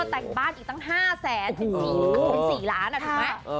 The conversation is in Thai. โดยตั้งบ้านอีกต่าง๕แสน๔ล้านอ่ะถึงไหม